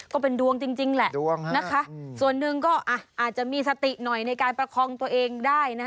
ก็เป็นดวงจริงแหละนะคะส่วนหนึ่งก็อาจจะมีสติหน่อยในการประคองตัวเองได้นะคะ